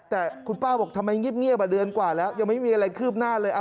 แต่คุณป้าบอกทำไมเงียบเดือนกว่าแล้วยังไม่มีอะไรคืบหน้าเลย